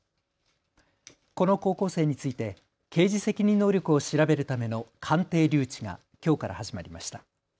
この高校生について刑事責任能力を調べるための鑑定留置がきょうから始まりました。